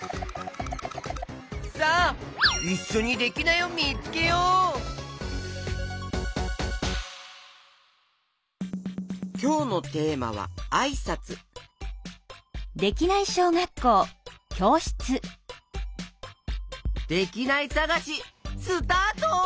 さあいっしょにきょうのテーマは「あいさつ」できないさがしスタート！